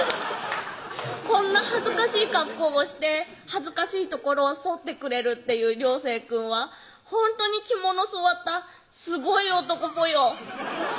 こんな恥ずかしい格好をして恥ずかしい所を剃ってくれるっていう椋生くんはほんとに肝の据わったすごい男ぽよ